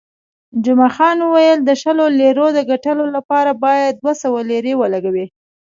جمعه خان وویل، د شلو لیرو د ګټلو لپاره باید دوه سوه لیرې ولګوې.